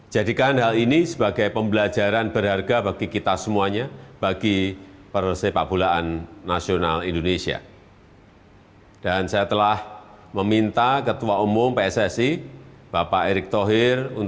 jadikan hal ini sebagai pembelajaran berharga bagi kita semuanya bagi perusahaan